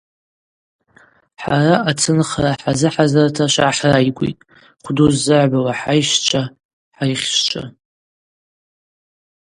Хӏара ацынхара хӏазыхӏазырта швгӏахӏрайгвитӏ, хвду ззыгӏбауа хӏайщчва, хӏахщчва.